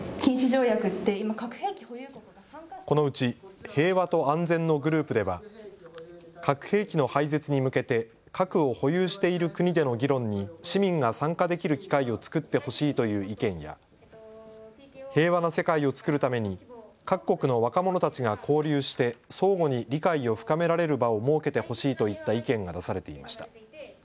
このうち平和と安全のグループでは核兵器の廃絶に向けて核を保有している国での議論に市民が参加できる機会を作ってほしいという意見や平和な世界を作るために各国の若者たちが交流して相互に理解を深められる場を設けてほしいといった意見が出されていました。